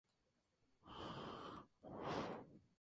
En su honor fue honrado con los